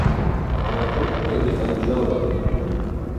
Ауат рыквквагьи къанджьалын.